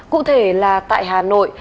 cụ thể là tại hà nội